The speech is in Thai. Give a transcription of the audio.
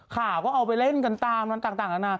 ข่าวก็เอาไปเล่นกันตามต่างนานา